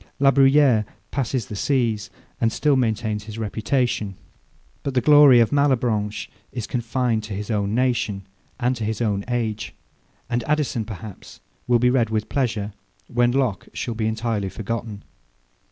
La Bruyere passes the seas, and still maintains his reputation: But the glory of Malebranche is confined to his own nation, and to his own age. And Addison, perhaps, will be read with pleasure, when Locke shall be entirely forgotten.